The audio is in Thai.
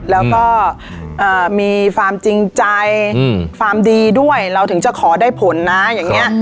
แล้วก็อ่ามีฟาร์มจริงใจอืมฟาร์มดีด้วยเราถึงจะขอได้ผลน่ะอย่างเงี้ย